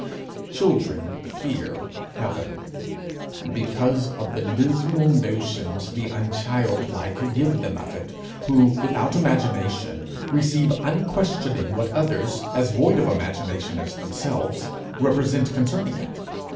Children fear heaven, because of the dismal notions the unchildlike give them of it, who, without imagination, receive unquestioning what others, as void of imagination as themselves, represent concerning it.